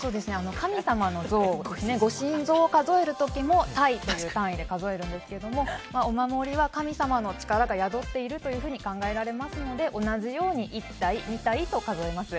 神様の像をご神像を数える時も体という単位で数えますがお守りは神様の力が宿っているというふうに考えられますので同じように一体、二体と数えます。